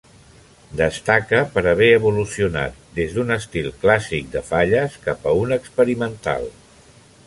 Destaca per haver evolucionat des d'un estil clàssic de falles cap a un experimental.